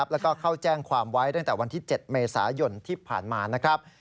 แล้วก็เข้าแจ้งความไว้ตั้งแต่วันที่๗เมษายนที่ผ่านมานะครับ